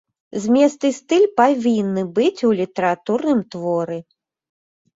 Змест і стыль павінны быць у літаратурным творы.